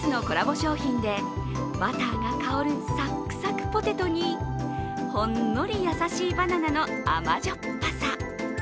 商品でバターが香る、さっくさくポテトにほんのり優しいバナナの甘じょっぱさ。